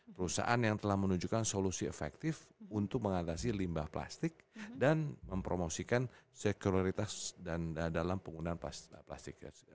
perusahaan yang telah menunjukkan solusi efektif untuk mengatasi limbah plastik dan mempromosikan sekerioritas dan dalam penggunaan plastik